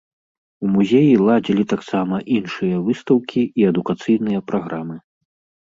У музеі ладзілі таксама іншыя выстаўкі і адукацыйныя праграмы.